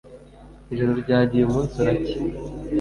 Ijoro ryagiye umunsi uracya